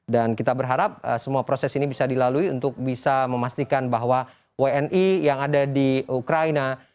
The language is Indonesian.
kita berharap semua proses ini bisa dilalui untuk bisa memastikan bahwa wni yang ada di ukraina